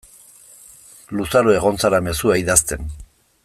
Luzaro egon zara mezua idazten.